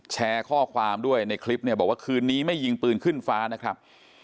แชร์ข้อความด้วยในคลิปเนี่ยบอกว่าคืนนี้ไม่ยิงปืนขึ้นฟ้านะครับ